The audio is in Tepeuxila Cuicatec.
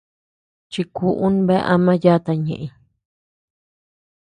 Chikuʼu bea ama yata ñeʼeñ.